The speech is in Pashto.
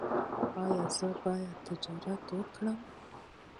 ایا زه باید تجارت وکړم؟